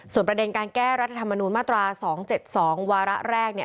ประเด็นการแก้รัฐธรรมนูญมาตรา๒๗๒วาระแรกเนี่ย